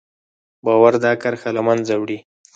باور دا کرښه له منځه وړي.